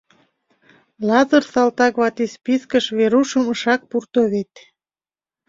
Лазыр салтак вате спискыш Верушым ышак пурто вет.